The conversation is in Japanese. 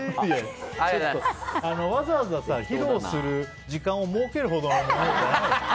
ちょっとわざわざ披露する時間を設けるほどのものかな。